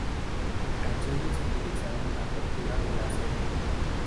La canción es utilizada en la apertura de la serie.